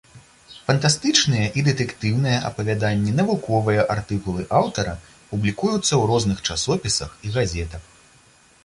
Фантастычныя і дэтэктыўныя апавяданні, навуковыя артыкулы аўтара публікуюцца ў розных часопісах і газетах.